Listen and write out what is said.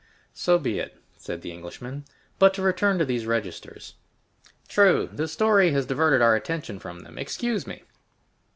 "So be it," said the Englishman. "But to return to these registers." "True, this story has diverted our attention from them. Excuse me."